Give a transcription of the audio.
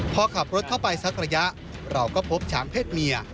พอขับรถเข้าไปสักระยะเราก็พบช้างเพศเมีย